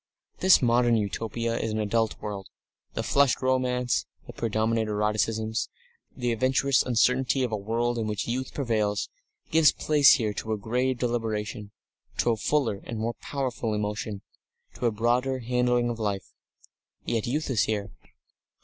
This modern Utopia is an adult world. The flushed romance, the predominant eroticisms, the adventurous uncertainty of a world in which youth prevails, gives place here to a grave deliberation, to a fuller and more powerful emotion, to a broader handling of life. Yet youth is here.